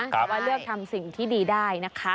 แต่ว่าเลือกทำสิ่งที่ดีได้นะคะ